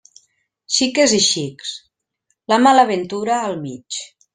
Xiques i xics, la mala ventura al mig.